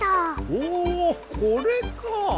おこれか！